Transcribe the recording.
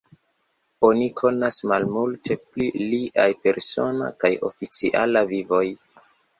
Oni konas malmulte pri liaj persona kaj oficiala vivoj.